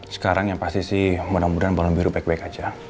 sekarang yang pasti sih mudah mudahan malam biru baik baik aja